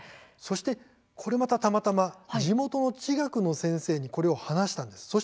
そして、これまたたまたま地元の地学の先生にこれを話したんです。